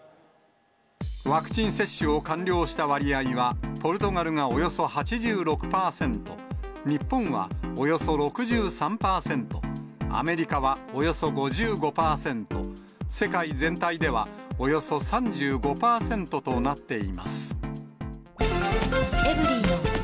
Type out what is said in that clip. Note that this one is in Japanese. ワクチン接種を完了した割合は、ポルトガルがおよそ８６％、日本はおよそ６３％、アメリカはおよそ５５％、世界全体では、およそ３５％となっています。